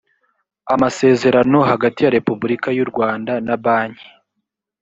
amasezerano hagati ya repubulika y u rwanda na banki